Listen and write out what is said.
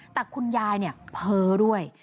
แต่คุณยายเพ้อด้วย